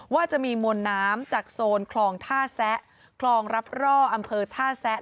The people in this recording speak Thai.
ว่าจะมีมวลน้ำจากโซนคลองท่าแซะคลองรับร่ออำเภอท่าแซะ